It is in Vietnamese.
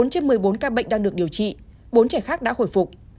bốn trên một mươi bốn ca bệnh đang được điều trị bốn trẻ khác đã hồi phục